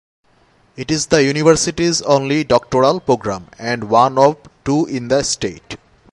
It is the university's only doctoral program and one of two in the state.